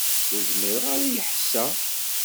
Ur zmireɣ ara i lḥess-a.